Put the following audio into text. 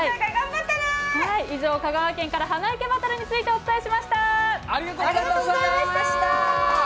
以上、香川県から花いけバトルについてお伝えしました。